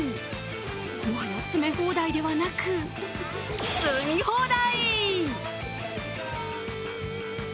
もはや詰め放題ではなく積み放題。